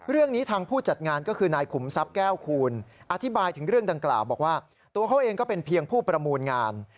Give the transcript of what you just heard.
เรื่องนี้ทางผู้จัดงานก็คือไนคุมทรัพย์แก้วคูณ